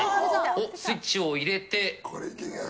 スイッチを入れて。